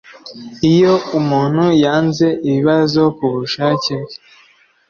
iyo umuntu yanze ibibazo ku bushake bwe